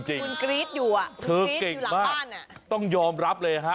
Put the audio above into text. คุณกรี๊ดอยู่อ่ะคุณกรี๊ดอยู่หลังบ้านอ่ะเก่งเก่งมากต้องยอมรับเลยฮะ